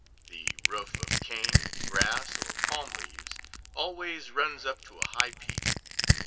The roof, of cane, grass, or palm leaves, always runs up to a high peak.